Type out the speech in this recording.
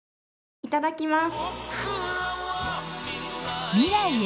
いただきます。